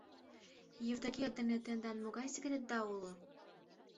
— Евдокия дене тендан могай секретда уло?